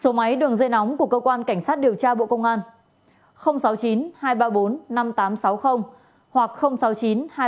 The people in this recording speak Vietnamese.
số máy đường dây nóng của cơ quan cảnh sát điều tra bộ công an sáu mươi chín hai trăm ba mươi bốn năm nghìn tám trăm sáu mươi hoặc sáu mươi chín hai trăm ba mươi hai một nghìn sáu trăm